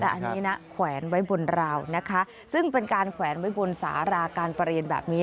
แต่อันนี้นะแขวนไว้บนราวนะคะซึ่งเป็นการแขวนไว้บนสาราการประเรียนแบบนี้